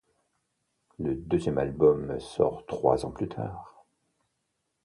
Le deuxième album sort trois ans plus tard.